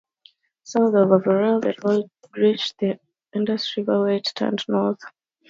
South of Aravalli, the road reached the Indus River, where it turned north.